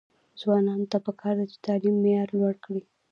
ځوانانو ته پکار ده چې، تعلیم معیار لوړ کړي.